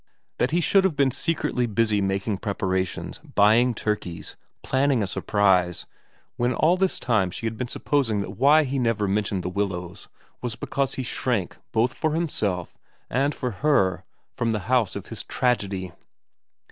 That he should have been secretly busy making preparations, buying turkeys, planning a surprise, when all this time she had been supposing that why he never mentioned The Willows was because he shrank both for himself and for her from the house of his tragedy